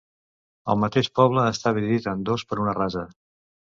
El mateix poble està dividit en dos per una rasa.